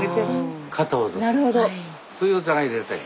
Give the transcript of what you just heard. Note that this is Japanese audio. そういうお茶がいれたい。